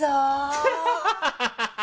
ハハハハハ！